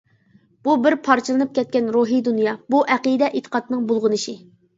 بۇ بىر پارچىلىنىپ كەتكەن روھىي دۇنيا، بۇ ئەقىدە-ئېتىقادنىڭ بۇلغىنىشى.